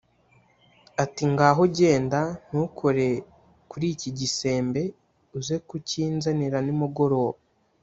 iti « ngaho genda, ntukore kuri iki gisembe uze kukinzanira nimugoroba. »